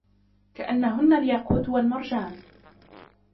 كأنهن الياقوت والمرجان